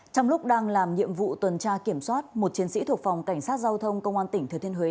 trong lúc đang làm nhiệm vụ tuần tra kiểm soát một chiến sĩ thuộc phòng cảnh sát giao thông công an tỉnh thừa thiên huế